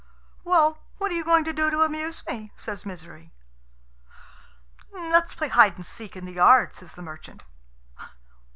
"Well, what are you going to do to amuse me?" says Misery. "Let's play hide and seek in the yard," says the merchant.